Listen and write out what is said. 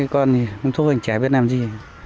còn không thu hành trẻ việt nam gì